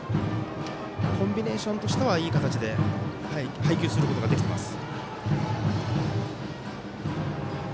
コンビネーションとしてはいい形で配球することができています。